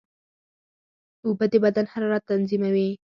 اوبه د بدن حرارت تنظیموي.